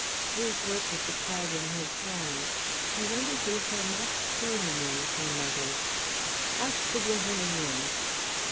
Bruce looked at the card in his hand. "I wonder who Herr Max Kronin is?" he muttered. "Ask the gentleman in."